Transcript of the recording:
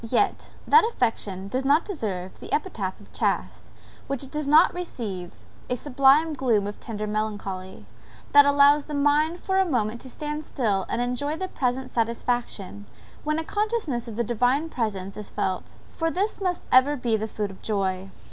Yet, that affection does not deserve the epithet of chaste which does not receive a sublime gloom of tender melancholy, that allows the mind for a moment to stand still and enjoy the present satisfaction, when a consciousness of the Divine presence is felt for this must ever be the food of joy!